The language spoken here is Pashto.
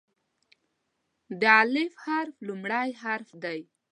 د "الف" حرف لومړی حرف دی.